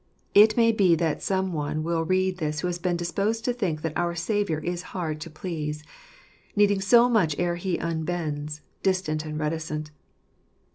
It may be that some one will read this who has been disposed to think that our Saviour is hard to please * needing so much ere He unbends ; distant and reticent.